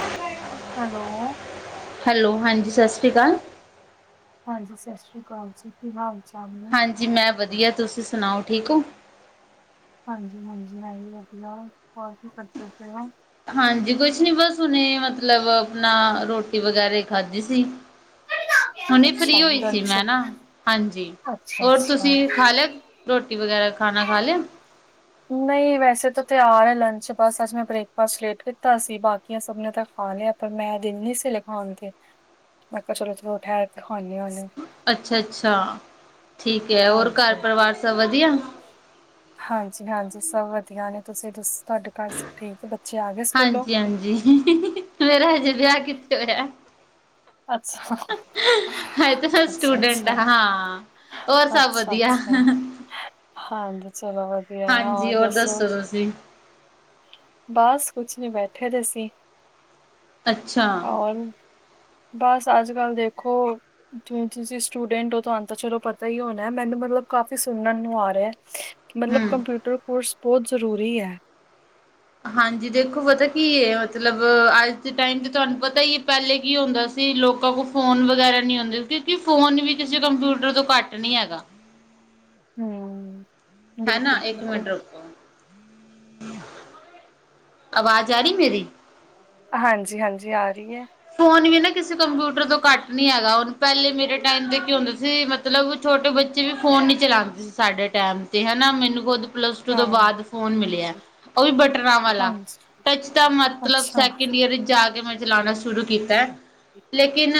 ਕੋਈ ਆਯੈ [unintelligible] hello. Hello, ਹਾਂਜੀ ਸਾਸ ਸ੍ਰੀ ਕਾਲ। ਹਾਂਜੀ, ਸਸ ਸ਼੍ਰੀ ਕਾਲ ਜੀ। ਕੀ ਹਾਲ-ਚਾਲ ਨੇ? ਜੀ ਮੈਂ ਵਧੀਆ, ਤੁਸੀਂ ਸੁਣਾਓ ਠੀਕ ਓੰ? ਹਾਂਜੀ-ਹਾਂਜੀ ਮੈ ਵੀ ਵਧੀਆ, ਹੋਰ ਕੀ ਸਭ [inaudible] ਹਾਂਜੀ, ਕੁਛ ਨੀ ਬਸ ਹੁਨੇ ਮਤਲਬ ਅਪਨਾ ਰੋਟੀ ਵਗੈਰੇ ਖਾਧੀ ਸੀ। ਹੁਨੇ ਅੱਛਾ ਫ੍ਰੀ ਹੋਈ ਸੀ ਲੰਚ ਮੈਂ ਨਾ, ਹਾਂਜੀ, ਅੱਛਾ ਹੋਰ ਅੱਛਾ ਤੁਸੀਂ ਖਾਲਿਆ ਰੋਟੀ ਵਗੈਰਾ, ਖਾਣਾ ਖਾ ਲਿਆ? ਨਹੀਂ, ਵੈਸੇ ਤਾਂ ਤਿਆਰ ਹੈ ਲੰਚ ਬਸ ਅੱਜ ਮੈਂ ਬ੍ਰੇਕਫਾਸਟ ਲੇਟ ਕੀਤਾ ਸੀ, ਬਾ ਬਾਕੀਆਂ ਸਭ ਨੇ ਤਾਂ ਖਾਲਿਆ, ਪਰ ਮੈਂ ਦਿਲ ਨੀ ਸੀ ਹਲੇ ਖਾਣ ਤੇ। ਮੈਂ ਕਿਹਾ ਚਲੋ ਥੋੜ੍ਹਾ ਠਹਿਰਕੇ ਖਾਨੀ ਆ ਹਲੇ। ਅੱਛਾ-ਅੱਛਾ, ਠੀਕ ਏ ਹੋਰ ਹਾਂਜੀ ਘਰ-ਪਰਿਵਾਰ ਸਭ ਵਧੀਆ? ਹਾਂਜੀ-ਹਾਂਜੀ ਸਭ ਵਧੀਆ ਨੇ, ਤੁਸੀਂ ਦੱਸੋ ਤੁਹਾਡੇ ਘਰ ਠੀਕ ਆ ਬੱਚੇ ਆ ਗਏ ਸਕੂਲੋ? ਹਾਂਜੀ ਮੇਰਾ ਹਜੇ ਵਿਆਹ ਕਿੱਥੇ ਹੋਇਆ। ਅੱਛਾ, ਹਜੇ ਤਾਂ ਮੈਂ ਸਟੂਡੈਂਟ ਅੱਛਾ-ਅੱਛਾ। ਹਾਂ ਹਾਂ ਹੋਰ ਸਭ ਵਧੀਆ ਅੱਛਾ-ਅੱਛਾ, ਹਾਂਜੀ ਚਲੋ ਵਧੀਆ, ਹੋਰ ਦੱਸੋ? ਤੁਸੀ ਬਾਸ ਕੁਛ ਨੀ ਬੈਠੇਦੇ ਸੀ। ਅੱਛਾ। ਔਰ, ਬਸ ਅੱਜ-ਕੱਲ ਦੇਖੋ ਜਿਵੇਂ ਤੁਸੀਂ ਸਟੂਡੈਂਟ ਓ, ਤੁਹਾਨੂੰ ਤਾਂ ਚਲੋ ਪਤਾ ਈ ਹੋਣਾ, ਮੈਨੂੰ ਮਤਲਬ ਕਾਫ਼ੀ ਸੁਣਨ ਨੂੰ ਆ ਰਿਹਾ। ਮਤਲਬ ਹਮ ਕੰਪਿਊਟਰ ਕੋਰਸ ਬਹੁਤ ਜ਼ਰੂਰੀ ਐ। ਹਾਂਜੀ, ਦੇਖੋ ਪਤਾ ਕੀ ਏ ਮਤਲਬ ਅੱਜ ਦੇ ਟਾਈਮ ਤੇ ਤੁਹਾਨੂੰ ਪਤਾ ਈ ਏ, ਪਹਿਲੇ ਕੀ ਹੁੰਦਾ ਸੀ ਕਈ ਲੋਕਾਂ ਕੋਲ ਫੋਨ ਵਗੈਰਾ ਨਹੀਂ ਹੂੰਦੇ, ਕਿਉਂਕੀ ਫੋਨ ਵੀ ਕਿਸੇ ਕੰਪਿਊਟਰ ਤੋਂ ਘੱਟ ਨਹੀਂ ਹੈਗਾ। ਹੂੰ, ਹੈਨਾ ਇੱਕ ਬਿਲਕੁਲ-ਬਿਲਕੁਲ। ਮਿੰਟ ਰੁਕੋ [inaudible] ਅਵਾਜ਼ ਆ ਰਹੀ ਮੇਰੀ? ਹਾਂਜੀ-ਹਾਂਜੀ, ਆ ਰਹੀ ਐ। ਫ਼ੋਨ ਵੀ ਨਾ ਕਿਸੇ ਕੰਪਿਊਟਰ ਤੋਂ ਘੱਟ ਨਹੀਂ ਹੈਗਾ, ਹੁਣ ਪਹਿਲੇ ਮੇਰੇ ਟਾਈਮ ਦੇ ਕੀ ਹੁੰਦਾ ਸੀ ਮਤਲਬ ਛੋਟੇ ਬੱਚੇ ਵੀ ਫੋਨ ਨੀ ਚਲਾਂਦੇ ਸੀ। ਸਾਡੇ ਟਾਇਮ ਤੇ ਹਨਾ, ਮੈਨੂੰ ਖੁਦ ਪਲੱਸ ਟੂ ਤੋਂ ਹਾਂ ਬਾਅਦ ਫੋਨ ਮਿਲਿਆ, ਉਹ ਵੀ ਬਟਨਾਂ ਵਾਲਾ। ਹਾਂਜੀ। ਟੱਚ ਤਾਂ ਮਤਲਬ ਅੱਛਾ-ਅੱਛਾ ਸੈਕਿੰਡ ਈਅਰ ਈਚ ਜਾਕੇ, ਮੈ ਚਲਾਣਾ ਸ਼ੁਰੂ ਕੀਤਾ, ਲੇਕਿਨ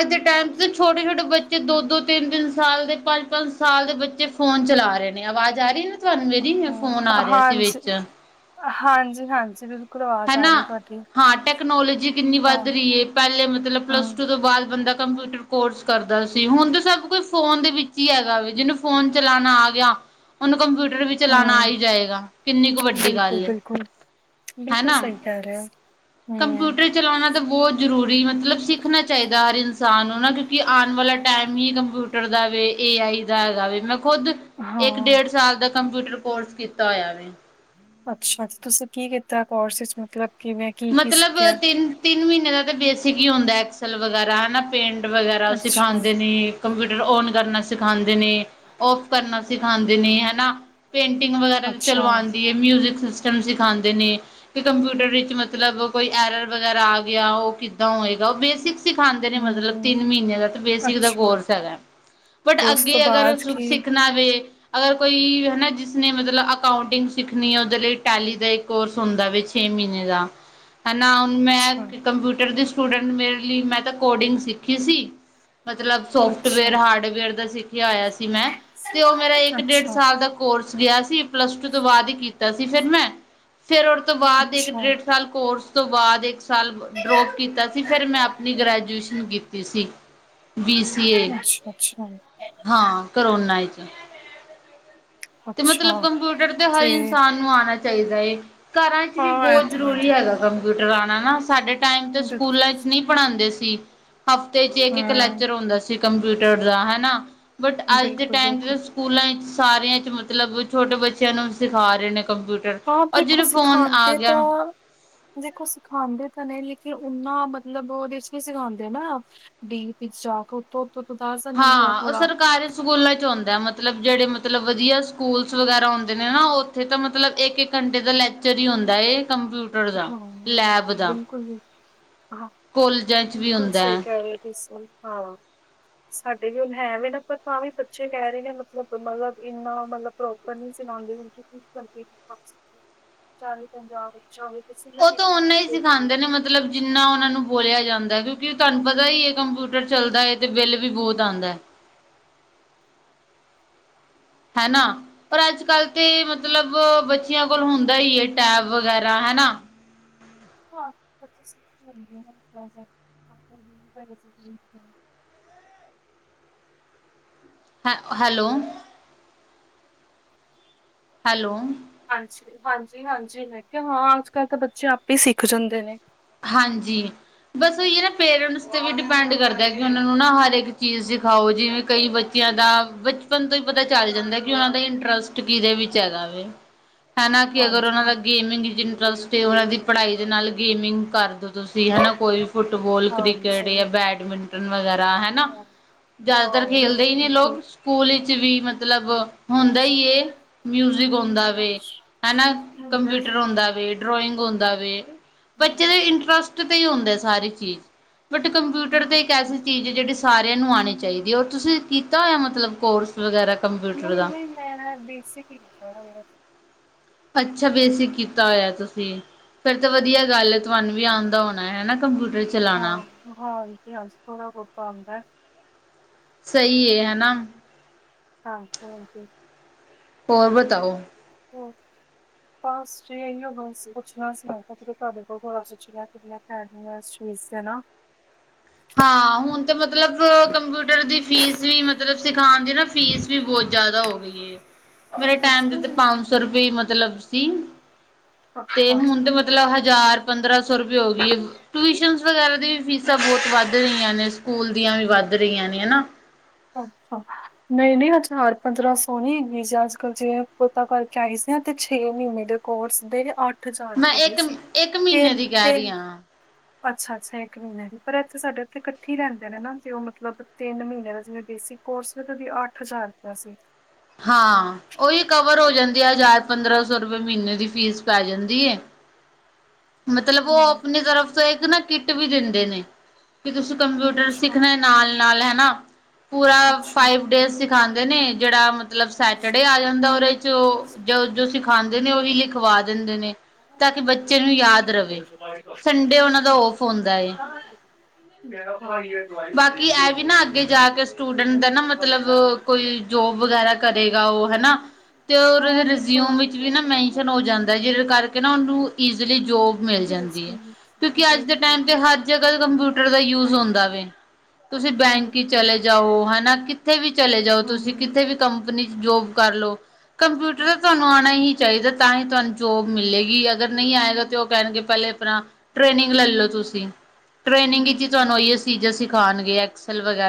ਅੱਜ ਦੇ ਟਾਈਮ 'ਚ ਛੋਟੇ-ਛੋਟੇ ਬੱਚੇ, ਦੋ-ਦੋ ਤਿੰਨ-ਤਿੰਨ ਸਾਲ ਦੇ ਪੰਜ-ਪੰਜ ਸਾਲ ਦੇ ਬੱਚੇ ਫ਼ੋਨ ਚਲਾ ਰਹੇ ਨੇ ਅਵਾਜ਼ ਆ ਰਹੀ ਨਾ ਤੁਹਾਨੂੰ ਮੇਰੀ, ਫ਼ੋਨ ਹਾਂ ਆ ਰਿਹਾ ਸੀ ਹਾਂਜੀ। ਵਿਚ। ਹਾਂਜੀ-ਹਾਂਜੀ ਬਿਲਕੁਲ, ਅਵਾਜ਼ ਆ ਹਨਾ। ਰਹੀ ਐ ਤੁਹਾਡੀ। ਹਾਂ ਟੈਕਨੋਲੋਜੀ ਕਿੰਨੀ ਵੱਧ ਹਾਂ-ਹਾਂ। ਰਹੀ ਏ, ਪਹਿਲੇ ਮਤਲਬ ਪਲੱਸ ਟੂ ਤੋਂ ਬਾਅਦ ਬੰਦਾ ਕੰਪਿਊਟਰ ਕੋਰਸ ਕਰਦਾ ਸੀ ਹੁਣ ਤਾਂ ਸਭ ਕੁਛ ਫੋਨ ਦੇ ਵਿੱਚ ਈ ਹੈਗਾ ਵੇ, ਜਿਹਨੂੰ ਫੋਨ ਚਲਾਣਾ ਆਗਿਆ ਉਹਨੂੰ ਕੰਪਿਊਟਰ ਵੀ ਚਲਾਣਾ ਹੂੰ ਆਈ ਜਾਏਗਾ, ਕਿੰਨੀ ਕੁ ਵੱਡੀ ਗੱਲ ਐ। ਬਿਲਕੁਲ-ਬਿਲਕੁਲ ਬਿਲਕੁਲ ਸਹੀ ਕੈ‌ ਰਏ ਓ, ਹੂੰ। ਚਲੌਣਾ ਤਾਂ ਬੌਤ ਜ਼ਰੂਰੀ, ਮਤਲਬ ਸਿੱਖਣਾ ਚਾਈਦਾ ਹਰ ਇਨਸਾਨ ਨੂੰ ਨਾ ਕਿਉ ਕਿ ਆਣ ਵਾਲਾ ਟਾਈਮ‌ ਈ ਕੰਪਿਊਟਰ ਦਾ ਵੇ, ਏਆਈ ਦਾ ਹੈਗਾ ਵੇ, ਮੈਂ ਖੁਦ ਇੱਕ ਹਾਂ, ਡੇਢ ਸਾਲ ਦਾ ਕੰਪਿਊਟਰ ਕੋਰਸ ਕੀਤਾ ਹੋਇਆ ਵੇ। ਅੱਛਾ, ਤੇ ਤੁਸੀਂ ਕੀ ਕੀਤਾ, ਕੋਰਸਿਸ ਮਤਲਬ ਕਿਵੇਂ? ਕੀ-ਕੀ ਮਤਲਬ ਸਿੱਖਿਆ? ਤਿਨ-ਤਿੰਨ ਮ੍ਹੀਨੇ ਦਾ ਤਾਂ ਬੇਸਿਕ ਈ ਹੁੰਦਾ, ਐਕਸਲ ਵਗੈਰਾ ਹਨਾ। ਪੇਂਟ ਵਗੈਰਾ ਅੱਛਾ, ਸਿਖਾਂਦੇ ਨੇ, ਕੰਪਿਊਟਰ ਔਨ ਕਰਨਾ ਸਿਖਾਂਦੇ ਨੇ। ਔਫ ਕਰਨਾ ਸਿਖਾਂਦੇ ਨੇ ਹੈਨਾ, ਪੇਂਟਿੰਗ ਵਗੈਰਾ ਤਾਂ ਚਲੋ ਅੱਛਾ, ਆਂਦੀ ਏ। ਮਿਊਜ਼ਿਕ ਸਿਸਟਮ ਸਿਖਾਂਦੇ ਨੇ ਕਿ ਕੰਪਿਊਟਰ ਵਿੱਚ ਮ ਮਤਲਬ ਕੋਈ ਐਰਰ ਵਗੈਰਾ ਆ ਗਿਆ ਉ ਕਿੱਦਾਂ ਹੋਏਗਾ ਉਹ ਬੇਸਿਕ ਸਿਖਾਂਦੇ ਨੇ ਮਤਲਬ ਹੂੰ, ਤਿੰਨ ਮਹੀਨੇ ਦਾ ਤੇ ਬੇਸਿਕ ਦਾ ਅੱਛਾ ਕੋਰਸ ਹੈਗਾ। ਬਟ ਤੇ ਉਸ ਅੱਗੇ ਤੋਂ ਅਗਰ ਬਾਅਦ ਕੀ? ਸੁਖ-ਸਿੱਖਣਾ ਵੇ। ਅਗਰ ਕੋਈ ਹਨਾ ਜਿਸਨੇ ਮਤਲਬ ਅਕਾਉਂਟਿੰਗ ਸਿੱਖਣੀ ਹੈ ਉਹਦੇ ਲਈ ਟੈਲੀ ਦਾ ਇੱਕ ਕੋਰਸ ਹੁੰਦਾ ਵਿੱਚ ਤਿਨ ਮਹਿਨੇ ਦਾ। ਹੈਨਾ ਹੁਨ ਮੈਂ ਅੱਛਾ, ਕੰਪਿਊਟਰ ਦੀ ਸਟੂਡੈਂਟ ਮੇਰੇ ਲਈ ਮੈਂ ਤਾਂ ਕੋਡਿੰਗ ਸਿੱਖੀ ਸੀ। ਮਤਲਬ ਅੱਛਾ। ਸੋਫਟਵੇਅਰ- ਹਾਰਡਵੇਅਰ ਦਾ ਸਿੱਖਿਆ ਹੋਇਆ ਸੀ ਮੈਂ ਤੇ ਉ ਮੇਰਾ ਅੱਛਾ, ਇੱਕ-ਡੇਢ ਅੱਛਾ, ਸਾਲ ਦਾ ਕੋਰਸ ਗਿਆ ਸੀ ਪਲੱਸ ਟੂ ਤੋਂ ਬਾਦ ਹੀ ਕੀਤਾ ਸੀ ਫਿਰ ਮੈਂ, ਫਿਰ ਉਦੇ ਤੋਂ ਬਾਦ ਇੱਕ ਅੱਛਾ, ਡੇਢ ਸਾਲ ਕੋਰਸ ਤੋਂ ਬਾਦ ਇੱਕ ਸਾਲ ਡਰੋਪ ਕੀਤਾ ਸੀ ਫਿਰ ਮੈਂ ਆਪਣੀ ਗ੍ਰੈਜੂਏਸ਼ਨ ਕੀਤੀ ਸੀ। ਬੀ ਸੀ ਏ, ਅੱਛਾ, ਹਾਂ ਕਰੋਨਾ ਇ ਚ। ਤੇ ਮਤਲਬ ਅੱਛਾ ਕੰਪਿਊਟਰ ਤੇ ਹਰ ਇਨਸਾਨ ਆਣਾ ਚਾਈਦਾ ਏ, ਘਰਾਂ ਚ ਵੀ ਹਾਂ, ਇਹ ਬੋਤ ਤਾਂ ਹੈ ਜ਼ਰੂਰੀ ਹੈਗਾ ਦੇਖੋ, ਕੰਪਿਊਟਰ ਆਣਾ ਨਾ ਸਾਡੇ ਟਾਈਮ ਤੇ ਬਿਲਕੁਲ, ਸਕੂਲਾਂ ਚ ਨੀ ਪੜਾਂਦੇ ਸੀ। ਹਫ਼ਤੇ ਚ ਇੱਕ-ਇੱਕ ਹੂੰ, ਲੈਕਚਰ ਹੁੰਦਾ ਸੀ। ਕੰਪਿਊਟਰ ਦਾ ਹਨਾ, ਬਟ ਅੱਜ ਦੇ ਟੈਮ ਚ ਬਿਲਕੁਲ-ਬਿਲਕੁਲ ਤਾਂ ਸਕੂਲਾਂ ਚ ਸਾਰਿਆਂ ਚ ਮ ਮਤਲਬ ਛੋਟੇ ਬੱਚਿਆਂ ਨੂੰ ਸਿਖਾ ਰਏ ਨੇ ਕੰਪਿਊ ਹਾਂ, ਦੇਖੋ ਸਿਖਾਂਦੇ ਤਾਂ ਦੇਖੋ, ਸਿਖਾਂਦੇ ਤਾਂ ਨੇ ਲੇਕਿ ਓਨਾ ਮਤਲਬ ਉਦੇ ਚ ਨੀ ਸਿਖਾਂਦੇ ਨਾ। ਡੀਪ ਵਿੱਚ ਜਾ ਕੇ ਉੱਤੋਂ-ਉੱਤੋਂ ਤਾਂ ਦੱਸ ਦੇਦੇ ਨੇ ਹਾਂ, ਉਹ ਥੋੜਾ-ਥੋੜਾ। ਸਰਕਾਰੀ ਸਕੂਲਾਂ ਚ ਉਂਦਾ ਮਤਲਬ ਜਿਹੜੇ ਮਤਲਬ ਵਧੀਆ ਸਕੂਲਸ ਵਗੈਰਾ ਹੁੰਦੇ ਨੇ ਨਾ ਉੱਥੇ ਤਾਂ ਮਤਲਬ ਇੱਕ-ਇੱਕ ਘੰਟੇ ਦਾ ਲੈਕਚਰ ਈ ਹੁੰਦਾਏ ਕੰਪਿਊ ਹਾਂ, ਬਿਲਕੁਲ-ਬਿਲਕੁਲ-ਬਿਲਕੁਲ। ਹਾਂ, ਕੋਲਜਾਂ ਚ ਵੀ ਬਿਲਕੁਲ ਹੁੰਦਾ ਸਈ ਐ। ਕਹਿ ਰਏ ਓ ਤੁਸੀਂ ਹਾਂ। ਸਾਡੇ ਵੀ ਹੁਣ ਹੈ ਵੇ ਨਾ ਪਰ ਤਾਂ ਵੀ ਬੱਚੇ ਕਹਿ ਰਏ ਨੇ ਮਤਲਬ-ਮਤਲਬ ਇੰਨਾ ਮਤਲਬ ਪ੍ਰੋਪਰ ਨੀ ਸਿਖਾਂਦੇ ਕਿਉਂਕਿ ਇਸ ਕਰਕੇ [unintelligible] ਚਾਲੀ-ਪਂਜਾ ਬੱਚੇ ਹੋਵੇ ਉਹ ਤਾਂ ਓਨਾ ਹੀ ਸਿਖਾਂਦੇ [unintelligible] ਨੇ ਮਤਲਬ ਜਿੰਨਾ ਓਨਾ ਨੂੰ ਬੋਲਿਆ ਜਾਂਦਾ ਕਿਉਂਕਿ ਤਹਾਨੂੰ ਪਤਾ ਈ ਏ ਕੰਪਿਊਟਰ ਚੱਲਦਾ ਏ ਤੇ ਬਿੱਲ ਵੀ ਬੋਤ ਆਂਦਾ ਏ। ਹੈਨਾ। ਪਰ ਅੱਜ- ਕੱਲ ਤੇ ਮਤਲਬ ਬੱਚਿਆਂ ਕੋਲ ਹੁੰਦਾ ਈਏ ਟੈਬ ਵਗੈਰਾ ਹਨਾ। [unintelligible] ਹੈ - ਹੈਲੋ। ਹੈਲੋ। ਹਾਂਜੀ-ਹਾਂਜੀ-ਹਾਂਜੀ, ਮੈਂ ਕਿਆ ਹਾਂ ਅੱਜ-ਕੱਲ੍ਹ ਤਾਂ ਬੱਚੇ ਆਪੇ ਈ ਸਿੱਖ ਜਾਂਦੇ ਨੇ। ਹਾਂਜੀ। ਬਸ ਓਈ ਏ ਨਾ ਪੇਰੈਂਟਸ ਤੇ ਵੀ ਡਿਪੈਂਡ ਕਰਦਾ ਕਿ ਓਨਾ ਨੂੰ ਨਾ ਹਰ ਏਕ ਚੀਜ਼ ਸਿਖਾਓ ਜੀ ਜਿਵੇਂ ਕਈ ਬੱਚ ਚਿਆਂ ਦਾ ਬਚਪਨ ਤੋਂ ਈ ਪਤਾ ਚੱਲ ਜਾਂਦਾ ਕਿ ਓਨਾਂ ਦਾ ਇੰਟਰਸਟ ਕੀਦੇ ਵਿੱਚ ਹੈਗਾ ਵੇ? [inaudible] ਹੈਨਾ ਕਿ ਅਗਰ ਹਾਂਜੀ, ਓਨਾਂ ਦਾ ਹਾਂਜੀ, ਗੇਮਿੰਗ ਚ ਇੰਟਰਸਟ ਏ ਓਨਾਂ ਦੀ ਪੜ੍ਹਾਈ ਦੇ ਨਾਲ ਗੇਮਿੰਗ ਕਰਦੋ। ਤੁਸੀਂ ਹਾਂ, ਹਨਾ ਕੋਈ ਵੀ ਫੁੱਟਬੋਲ, ਕ੍ਰਿਕਟ ਜਾਂ ਬੈਡਮਿੰਟਨ ਵਗੈਰਾ ਹੈਨ ਨਾ, ਜ਼ਿਆਦਾਤਰ ਹਾਂ ਖੇਲਦੇ ਈ ਨੇ ਬਿਲਕੁਲ-ਬਿਲਕੁਲ। ਲੋਕ ਸਕੂਲ ਵਿੱਚ ਵੀ ਮਤਲਬ ਹੁੰਦਾ ਇਏ ਮਿਊਜਿਕ ਹੁੰਦਾ ਵੇ ਹਨਾ, ਕੰਪਿਊਟਰ ਉਂਦਾ ਨਹੀਂ-ਨਹੀਂ ਵੇ ਡਰੋਇੰਗ ਹੁੰਦਾ ਵੇ। ਚਲੋ ਇੰਟਰਸਟ ਤੇ ਹੀ ਹੁੰਦੇ ਸਾਰੀ ਚੀਜ਼ ਬਟ ਕੰਪਿਊਟਰ ਤੇ ਇੱਕ ਐਸੀ ਏ ਜੇਹੜੀ ਸਾਰਿਆਂ ਨੂੰ ਆਉਣੀ ਚਾਹੀਦੀ ਔਰ ਤੁਸੀਂ ਕੀਤਾ ਹੋਆ ਮਤਲਬ ਕੋਰਸ ਵਗੈਰਾ ਕੰਪਿਊਟਰ ਦਾ। ਮੈ ਨਾ ਬੇਸਿਕ ਹੀ ਕੀਤਾ ਹੋਇਆ ਵੇ। ਅੱਛਾ, ਬੇਸਿਕ ਕੀਤਾ ਹੋਇਆ ਤੁਸੀਂ। ਫੇਰ ਤੇ ਵਧੀਆ ਗੱਲ ਏ ਤੁਆਨੂੰ ਵੀ ਆਂਦਾ ਹੋਣਾ ਹੈਨਾਂ ਕੰਪਿਊਟਰ ਚਲਾਉਣਾ। ਹਾਂ, ਹਾਂ, ਇਤਿਹਾਸ ਥੋੜਾ-ਬੋਤ ਆਂਦਾ ਸਈ ਏ ਹਨਾਂ। ਹਾਂਜੀ, ਹਾਂਜੀ। ਹੋਰ ਬਤਾਓ? [inaudible] ਫਸ ਜੀ ਇਨ੍ਹਾਂ ਕੰਮ ਸੀ ਪੁੱਛਣਾ ਸੀ, [unintelligible] ਮੈਂ ਤੁਆਡੇ ਕੋਲ ਥੋੜਾ ਪੁੱਛਣਾ, ਕਰਨਾ। [unintelligible] ਨਾਂ ਹਾਂ ਹੁਣ ਤੇ ਮਤਲਬ ਕੰਪਿਊਟਰ ਦੀ ਫੀਸ ਵੀ ਮਤਲਬ ਸਿਖਾਣ ਦੀ ਨਾਂ ਫੀਸ ਵੀ ਬੋਤ ਜ਼ਿਆਦਾ ਹੋਗੀ ਹੁਈ ਏ ਆ। ਮੇਰੇ ਟਾਇਮ ਦੇ ਅੱਛਾ ਤੇ ਜੀ। ਪੰਜ ਸੌ ਰੁਪਏ ਮਤਲਬ ਸੀ ਤੇ ਹੁਣ ਤੇ ਮਤ ਮਤਲਬ ਹਜ਼ਾਰ-ਪੰਦਰਾਂ ਸੌ ਰੁਪਏ ਹੋ ਗਈ ਏ ਟਿਊਸ਼ਨ ਵਗੈਰਾ ਦੀ ਵੀ ਫੀਸਾਂ ਬੋਤ ਵੱਧ ਵੱਧ ਰਈਆਂ ਨੇਂ, ਸਕੂਲ ਦੀਆਂ ਵੀ ਵੱਧ ਰਈਆਂ ਨੇਂ ਹਨਾਂ ਅੱਛਾ। ਨਈਂ, ਨਈਂ, ਹਜ਼ਾਰ-ਪੰਦਰਾਂ ਸੋ ਨੀਂ [unintelligible] ਜੇ ਅੱਜ-ਕਲ ਜੇਵੇ ਪਤਾ ਕਰ ਸੀ ਆ ਛੇ ਮੀਂਨੇ ਦੇ ਕੋਰਸ ਦੇ ਅੱਠ ਫਿਰ ਸਟਾਟ ਮੈਂ ਹੋ ਗਏ ਇੱਕ ਸੀ। ਇੱਕ ਮਹੀਨੇ ਦੀ ਕਹਿ ਰਹੀ ਤਿੰਨ-ਤਿੰਨ। ਹਾਂ। ਅੱਛਾ-ਅੱਛਾ ਇੱਕ ਮਹੀਨੇ ਦੀ। ਪਰ ਇੱਥੇ ਸਾਡੇ ਇੱਥੇ ਕੱਠੀ ਲੈਂਦੇ ਨੇਂ ਨਾਂ ਤੇ ਓ ਮਤਲਬ ਤਿੰਨ ਮੀਂਨੇਂ ਦਾ ਜਿਵੇਂ ਬੇਸਿਕ ਕੋਰਸ ਦੀ ਵੀ ਅੱਠ ਹਜ਼ਾਰ ਰੁਪਇਆ ਸੀ। ਓਈ ਕਵਰ ਹੋ ਜਾਂਦੀ ਏ, ਹਜ਼ਾਰ-ਪੰਦਰਾਂ ਸੌ ਰੁਪਏ ਦੀ ਫੀਸ ਪੈ ਜਾਂਦੀ ਏ। ਮਤਲਬ ਓ ਹੂੰ, ਆਪਣੀ ਤਰਫ਼ ਤੇ ਇੱਕ ਨਾਂ ਕਿੱਟ ਵੀ ਦਿੰਦੇ ਨੇਂ ਕਿ ਤੁਸੀਂ ਕੰਪਿਊਟਰ ਸਿੱਖਣਾ ਨਾਲ-ਨਾਲ ਹੈਨਾਂ! ਪੂਰਾ ਅੱਛਾ-ਅੱਛਾ। ਫਾਈਵ ਡੇਜ ਸਿਖਾਦੇ ਨੇਂ ਜੇੜਾ ਮਤ ਮਤਲਬ ਸੈਟਰਡੇ ਆ ਜਾਂਦਾ ਓਦੇ ਚ ਓ ਜੋ, ਜੋ ਸਿਖਾਂਦੇ ਨੇਂ ਓਵੀ ਲਿਖਵਾ ਦਿੰਦੇ ਨੇਂ। ਤਾਂ ਕਿ ਬੱਚੇ ਨੂੰ ਯਾਦ ਰਵੇ। ਸੰਡੇ ਉਹਨਾਂ ਦਾ ਔਫ ਹੁੰਦਾ ਏ। [inaudible] ਬਾਕੀ ਐ ਵੀ ਨਾਂ ਅੱਗੇ ਜਾ ਕੇ ਸਟੂਡੈਂਟ ਦਾ ਨਾਂ ਮਤਲਬ ਕੋਈ ਜੋਬ ਵਗੈਰਾ ਕਰੇਗਾ ਓ ਹਨਾਂ ਤੇ ਓ ਰ ਹਾਂ ਦੇਖੋ ਰਿਜ਼ਿਊਮ ਵਿਚ ਨਾ ਮੈਨਸ਼ਨ ਹੋ ਜਿਦੇ ਕਰਕੇ ਨਾਂ ਓਨੂੰ ਈਜ਼ਲੀ ਜੋਬ ਮਿਲ ਜਾਂਦੀ ਐ। ਦੇਖੀ ਕਿਉਂਕਿ ਅੱਜ ਦੇ ਦੇਖੀ। ਟਾਈਮ ਤੇ ਹਰ ਜਗ੍ਹਾ ਕੰਪਿਊਟਰ ਦਾ ਯੂਜ਼ ਹੁੰਦਾ ਵੇ ਤੁਸੀਂ ਬੈਂਕ ਈ ਚਲੇ ਜਾਓ, ਹੈਨਾਂ ਕਿੱਥੇ ਵੀ ਚਲੇ ਜਾਓ ਹਾਂ, ਤੁਸੀਂ ਕਿੱਥੇ ਵੀ ਕੰਪਨੀ ਚ ਜੋਬ ਕਰ ਲੋ ਕੰਪਿਊਟਰ ਤਾਂ ਤੁਆਨੂੰ ਆਣਾ ਹੀ ਚਾਈਦਾ ਤਾਂ ਹੀ ਤੁਆਨੂੰ ਜੋਬ ਮਿਲੇਗੀ। ਅਗਰ ਨਹੀਂ ਆਏਗਾ ਤਾਂ ਓ ਕੈਣਗੇ ਪੈਲੇ ਆਪਣਾ, ਟ੍ਰੇਨਿੰਗ ਲੱਲੋ ਤੁਸੀਂ, ਟ੍ਰੇਨਿੰਗ ਵਿਚ ਤੁਆਨੂੰ ਹੂੰ। ਏਈਓ ਚੀਜ਼ਾਂ ਸਿਖਾਂਣਗੇ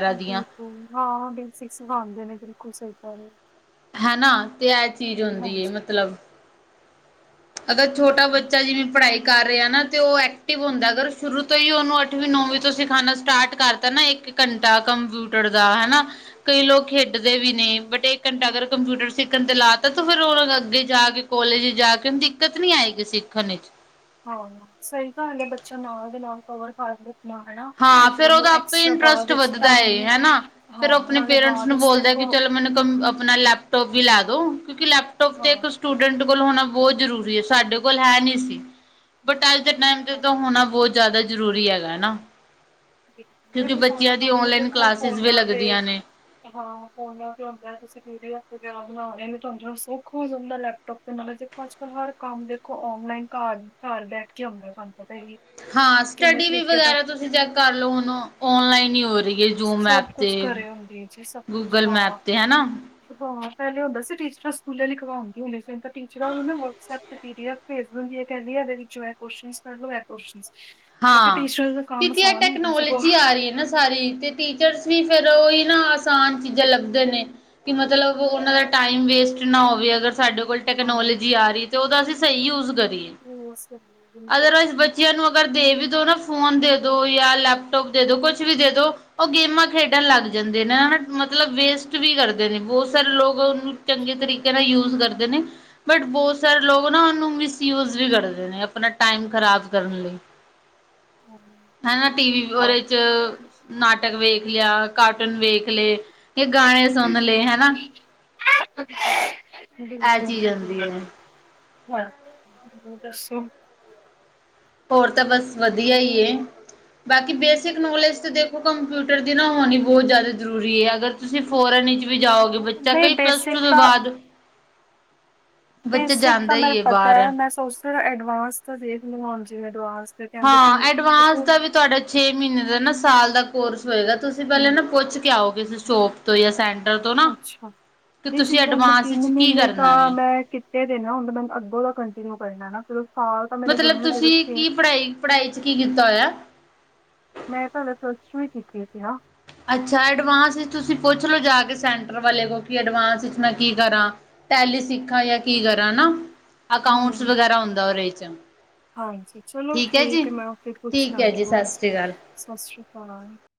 ਹਾਂ, ਹਾਂ, ਬੇਸਿਕ ਸਿਖਾਂਦੇ ਨੇਂ ਬਿਲਕੁਲ ਸਈ ਸਾਰੇ ਹਨਾਂ ਤੇ ਇਹ ਚੀਜ਼ ਹੁੰਦੀ ਏ ਹਾਂਜੀ। ਮਤਲਬ ਅਗਰ ਛੋਟਾ ਹਮ, ਬੱਚਾ ਜਿਵੇਂ ਪੜ੍ਹਾਈ ਕਰ ਰਿਆ ਆ ਨਾਂ ਤੇ ਓ ਐਕਟਿਵ ਹੁੰਦਾ, ਅਗਰ ਸ਼ੁਰੂ ਤੋਂ ਈ ਓਨੂੰ ਅੱਠਵੀਂ-ਨੌਵੀਂ ਤੋਂ ਸਿਖਾਣਾ ਸਟਾਰਟ ਕਰਤਾ ਨਾਂ ਇੱਕ ਘੰਟਾ ਕੰਪਿਊਟਰ ਦਾ ਹਨਾਂ ਕਈ ਲੋਕ ਖੇਡਦੇ ਵੀ ਨੇਂ, ਬਟ ਇੱਕ ਘੰਟਾ ਅਗਰ ਕੰਪਿਊਟਰ ਸਿੱਖਣ ਤੇ ਲਾ ਤਾ ਤਾਂ ਫਿਰ ਓਨਾਂ ਅੱਗੇ ਜਾ ਕੇ ਕੋਲੇਜ ਜਾ ਕੇ ਓਨੂੰ ਦਿੱਕਤ ਨੀਂ ਆਏਗੀ ਸਿੱਖਣ ਇੱਚ ਹਾਂ, ਸਈ ਗੱਲ ਏ, ਬੱਚਾ ਨਾਲ ਦੀ ਨਾਲ ਕਵਰ ਕਰ ਲੇ। ਨਾਂ ਹਨਾਂ ਹਾਂ ਫੇਰ ਓਨੂੰ ਉਹਦਾ ਆਪੇ ਐਕਸਟਰਾਂ ਬਾਅਦ ਇੰਟਰਸਟ ਵਿੱਚ ਵੱਧਦਾ ਟਾਈਮ ਏ ਨੇਂ ਹਨਾ। ਫੇਰ ਉਹ ਹਾਂ ਆਪਣੇ ਨਾਲੇ ਪੇਰੈਂਟਸ ਬਾਅਦ ਨੂੰ ਵਿੱਚ ਬੋਲਦਾ ਕਿ ਦੇਖੋ ਚਲੋ ਮੈਨੂੰ ਕੰਮ ਆਪਣਾ ਲੈਪਟੋਪ ਵੀ ਲੈ ਦੋ ਕਿਉਂਕਿ ਲੈਪਟੋਪ ਹਾਂ ਤੇ ਇੱਕ ਸਟੂਡ ਡੇੰਟ ਕੋਲ ਹੋਣਾ ਬੋਹਤ ਜ਼ਰੂਰੀ ਐ ਸਾਡੇ ਕੋਲ ਹੈ ਨੀਂ ਸੀ। ਬਟ ਅੱਜ ਦੇ ਟਾਈਮ ਤੇ ਹਾਂ ਤਾਂ ਹੋਣਾ ਬੋਤ ਜ਼ਿਆਦਾ ਜ਼ਰੂਰੀ ਹੈਗਾ ਹਨਾਂ। ਦੇਖੋ ਸਾਰਾ ਕੰਮ ਹੀ ਔਨਲਾਈਨ ਦੇਖੋ ਕਲਾਸਿਸ ਵੀ ਫੋਨਾਂ ਤੇ ਲੱਗਦੀਆਂ ਨੇ। ਹਾਂ ਫੋਨਾ ਤੇ ਹੁੰਦਾ ਤੁਸੀਂ ਵੀਰੇ [unintelligible] ਵਗੈਰਾ ਬਣਾ ਰਹੇ ਤੁਹਾਨੂੰ ਸੁਖ ਹੋ ਜਾਂਦਾ ਲੈਪ ਟੋਪ ਤੇ ਨਾਲੇ ਦੇਖੋ ਅੱਜ-ਕੱਲ੍ਹ ਹਰ ਕੰਮ ਦੇਖੋ ਔਨਲਾਈਨ ਘਰ, ਘਰ ਬੈਠ ਕੇ ਆਉਂਦਾ ਤੁਹਾਨੂੰ ਪਤਾ ਏ। ਹਾਂ ਸਟੱਡੀ ਵੀ ਵਗੈਰਾ ਤੁਸੀਂ ਚੈੱਕ ਕਰ ਲਓ ਹੁਨ ਓਨਲਾਈਨ ਈ ਹੋ ਰਹੀ ਏ ਜੂਮ ਐਪ ਸਭ ਤੇ, ਕੁਛ ਘਰੇ ਹੁੰਦੀ ਜੀ ਸਭ ਕੁਛ ਗੂਗਲ ਮੈਪ ਹਾਂ। ਤੇ ਹਨਾ। ਹਾਂ ਪਹਿਲੇ ਹੁੰਦਾ ਸੀ ਟੀਚਰਾਂ ਸਕੂਲੇ ਲਿਖਵਾਉਂਦੀ ਹੁੰਦੇ ਸੀ ਤਾਂ ਹੁਣ ਟੀਚਰਾਂ ਵੀ ਮੈਂ ਵਟਸਐਪ ਤੇ ਪੀ ਡੀ ਐਫ ਭੇਜ ਦਿੰਦੀਆਂ ਕਹਿੰਦੀ ਏ ਇਹਦੇ ਵਿੱਚੋਂ ਐ ਕੁਅਸ਼ਚਨਜ ਕਰ ਲੋ ਐ ਕੁਅਸ਼ਚਨਜ। ਹਾਂ, ਕਿਉਂਕਿ ਐ ਸਗੋਂ ਟੈਕਨੋਲੋਜੀ ਆ ਰਹੀ ਹੈ ਨਾ ਸਾਰੀ ਤੇ ਟੀਚਰਸ ਵੀ ਫਿਰ ਉਹੀ ਨਾ ਆਸਾਨ ਚੀਜ਼ਾਂ ਲੱਭਦੇ ਨੇ। ਕਿ ਮਤਲਬ ਉਹਨਾਂ ਦਾ ਟਾਈਮ ਵੇਸਟ ਨਾ ਹੋਵੇ ਅਗਰ ਸਾਡੇ ਕੋਲ ਹਾਂ। ਟੈਕਨੋਲੋਜੀ ਆ ਰਹੀ ਤੇ ਉਹਦਾ ਅਸੀਂ ਸਹੀ ਯੂਜ ਕਰੀਏ। ਉਸ ਕਰਨੀ ਬਿਲਕੁਲ ਅਦਰਵਾਈਜ਼ ਬੱਚਿਆਂ ਨੂੰ ਪਰ ਦੇ ਵੀ ਦੋ ਨਾ ਫੋਨ ਦੇ ਦੋ ਜਾਂ ਲੈਪਟੋਪ ਦੇ ਦੋ ਕੁਛ ਵੀ ਦੇ ਦੋ- ਉਹ ਗੇਮਾਂ ਖੇਡਣ ਲੱਗ ਜਾਂਦੇ ਨੇ ਹਨਾ ਮਤਲਬ ਵੇਸਟ ਵੀ ਕਰਦੇ ਨੇ ਬਹੁਤ ਸਾਰੇ ਲੋਕ ਉਹਨੂੰ ਚੰਗੇ ਤਰੀਕੇ ਨਾਲ ਯੂਜ ਕਰਦੇ ਨੇ। ਬਟ ਬਹੁਤ ਸਾਰੇ ਲੋਕ ਨਾ ਉਹਨੂੰ ਮਿਸਯੂਜ ਵੀ ਕਰਦੇ ਨੇ ਆਪਣਾ ਟਾਈਮ ਖ਼ਰਾਬ ਕਰਨ ਲਈ। ਹਾਂਜੀ ਹਨਾ ਟੀ ਵੀ ਉਹਦੇ 'ਚ ਨਾਟਕ ਵੇਖ ਲਿਆ, ਕਾਰਟੂਨ ਵੇਖ ਲਏ। ਕਿ ਗਾਣੇ ਸੁਣ ਲੇ ਹਨਾ। ਇਹ ਚੀਜ਼ ਹੁੰਦੀ ਹੈ [unintelligible] ਹਾਂ, ਹੋਰ ਦੱਸੋ? ਹੋਰ ਤਾਂ ਬਸ ਵਧੀਆ ਈ ਏ। ਬਾਕੀ ਬੇਸਿਕ ਨੌਲੇਜ ਤਾਂ ਦੇਖੋ ਕੰਪਿਊਟਰ ਦੀ ਨਾ ਹੋਣੀ ਬਹੁਤ ਜ਼ਿਆਦਾ ਜ਼ਰੂਰੀ ਏ ਅਗਰ ਤੁਸੀਂ ਫੋਰਨ ਵਿੱਚ ਵੀ ਜਾਓਗੇ ਬੱਚਾ ਨਹੀਂ ਕਈ ਪਲੱਸ ਬੇਸਿਕ ਟੂ ਤੋਂ ਤਾਂ ਬਾਅਦ ਬੱਚਾ ਬੇਸਿਕ ਤਾਂ ਜਾਂਦਾ ਹੀ ਮੈਨੂੰ ਹੈ ਪਤਾ ਬਾਹਰ ਮੈਂ ਸੋਚਦੀ ਐਡਵਾਂਸ ਤਾਂ ਦੇਖ ਲਵਾਂ ਹੁਣ ਜਿਵੇ ਐਡਵਾਂਸ ਫਿਰ ਕਹਿੰਦੇ ਹਾਂ ਤੁਹਾਨੂੰ ਐਡਵਾਂਸ ਦਾ ਵੀ ਤੁਹਾਡਾ ਛੇ ਮਹੀਨੇ ਦਾ ਨਾ ਸਾਲ ਦਾ ਕੋਰਸ ਹੋਏਗਾ ਤੁਸੀਂ ਪਹਿਲੇ ਹਾਂ ਨਾ ਪੁੱਛ ਕੇ ਆਓ ਕਿਸੇ ਸਟੋਪ ਤੋ ਜਾਂ ਸੈਂਟਰ ਤੋਂ। ਨਾ ਅੱਛਾ, ਕਿ ਨਹੀਂ ਤੁਸੀਂ ਜਿੱਦਾਂ ਮੈਂ ਐਡਵਾਂਸ ਤਿੰਨ ਵਿੱਚ ਕੀ ਮਹੀਨੇ ਕਰਨਾ ਤਾਂ ਵੇ ਮੈਂ ਇਹ ਦਿਨ ਨਾ ਹੁਣ ਤਾਂ ਮੈਨ ਅੱਗੋਂ ਦਾ ਕੰਟੀਨਿਊ ਕਰਨਾ ਨਾ ਫਿਰ ਸਾਲ ਤਾਂ ਮੇਰਾ ਦਿਨ ਮਤਲਬ ਤੁਸੀਂ ਜਦੇਂ ਕੀ ਪੜ੍ਹਾਈ ਪੜ੍ਹਾਈ 'ਚ ਕੀ ਕੀਤਾ ਹੋਇਆ? ਮੈਂ ਭਾਵੇਂ ਪਲਸਟੋ ਵੀ ਕੀਤੀ ਸੀ ਹਨਾ। ਅੱਛਾ ਐਡਵਾਂਸ ਵਿਚ ਤੁਸੀਂ ਪੁੱਛ ਲੋੋ ਜਾ ਕੇ ਸੈਂਟਰ ਵਾਲੇ ਕੋਲ ਕਿ ਐਡਵਾਂਸ ਵਿੱਚ ਮੈਂ ਕੀ ਕਰਾਂ। ਟੈਲੀ ਸਿੱਖਾਂ ਜਾਂ ਕੀ ਕਰਾਂ ਨਾ, ਅਕਾਊਂਟਸ ਹੂੰ ਵਗੈਰਾ ਹੁੰਦਾ ਉਹਦੇ 'ਚ। ਹਾਂਜੀ ਚਲੋ ਹੈ ਜੀ ਠੀਕ ਏ ਮੈਂ ਉੱਥੇ ਪੁੱਛ ਠੀਕ ਹੈ ਜੀ ਲਾਂਗੀ ਸਤਿ ਸ਼੍ਰੀ ਹਾਂਜੀ ਅਕਾਲ। ਸਾਸਰੀ ਕਾਲ।